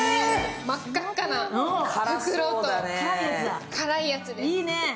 真っ赤っかな袋と辛いやつです。